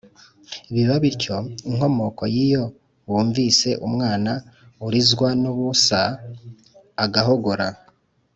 biba bityo, inkomoko y'iyo bumvise umwana urizwa n'ubusa agahogora,